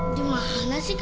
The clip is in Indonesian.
terus kita pasang nesten deh